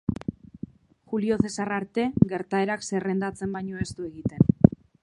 Julio Zesar arte, gertaerak zerrendatzen baino ez du egiten.